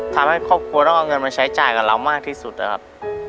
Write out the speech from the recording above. ทำให้ครอบครัวต้องเอาเงินมาใช้จ่ายกับเรามากที่สุดนะครับ